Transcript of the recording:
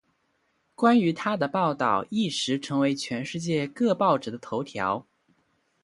关于她的报道一时成为全世界各报纸的头条。